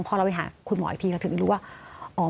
พอเราไปหาคุณหมออีกทีเราถึงได้รู้ว่า